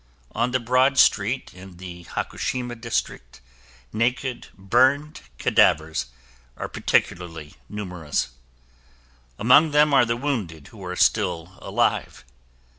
On the broad street in the Hakushima district, naked burned cadavers are particularly numerous. Among them are the wounded who are still alive.